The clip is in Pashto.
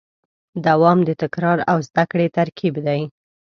دوام د تکرار او زدهکړې ترکیب دی.